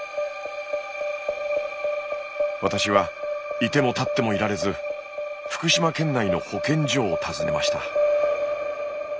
私は居ても立っても居られず福島県内の保健所を訪ねました。